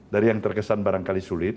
dari yang terkesan barangkali sulit